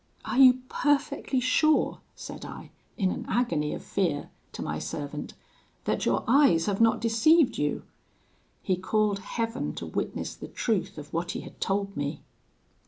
"'Are you perfectly sure,' said I, in an agony of fear, to my servant, 'that your eyes have not deceived you?' He called Heaven to witness the truth of what he had told me.